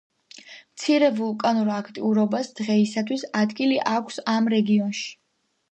მცირე ვულკანურ აქტიურობას დღეისათვის ადგილი აქვს ამ რეგიონში.